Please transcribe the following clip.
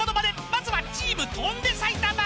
まずはチーム『翔んで埼玉』］